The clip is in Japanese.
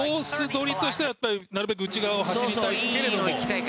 取りとしてはなるべく内側を走りたい。